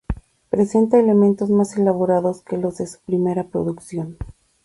Presenta elementos más elaborados que los de su primera producción.